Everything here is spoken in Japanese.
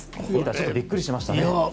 ちょっとビックリしましたね。